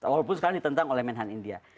walaupun sekarang ditentang oleh menhan india